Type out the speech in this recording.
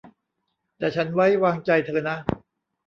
แต่ฉันไว้วางใจเธอนะ